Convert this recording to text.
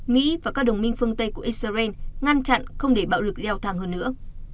mỹ và các đồng minh phương tây của israel ngăn chặn không để bạo lực leo thang hơn nữa